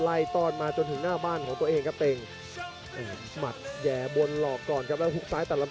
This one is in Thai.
แล้วพึกซ้ายตลังกลุ่ม